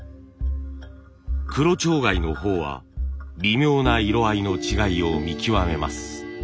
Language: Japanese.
黒蝶貝の方は微妙な色合いの違いを見極めます。